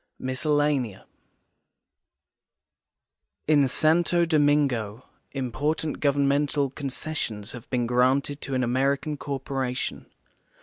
MISCELLANEA In Santo Domingo important governmental concessions have been granted to an American corporation.